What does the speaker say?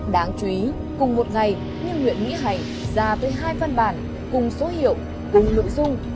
đáng chú ý cùng một ngày nhân huyện nghĩa hành ra với hai văn bản cùng số hiệu cùng lượng dung